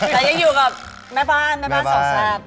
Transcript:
เรายังอยู่กับแม่บ้านแม่บ้านสองแซ่บ